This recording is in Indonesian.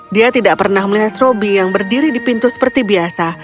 dia tidak pernah melihat roby yang berdiri di pintu seperti biasa